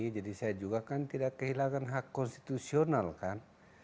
jadi saya juga kan tidak kehilangan hak konstitusional kan